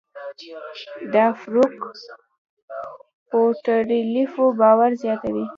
د افورک پورټفولیو باور زیاتوي.